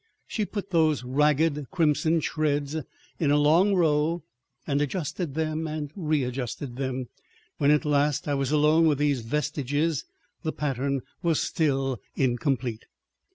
She put those ragged crimson shreds in a long row and adjusted them and readjusted them. When at last I was alone with these vestiges the pattern was still incomplete.